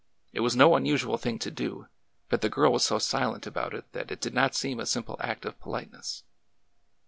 It was no unusual thing to do, but the girl was so silent about it that it did not seem a simple act of politeness.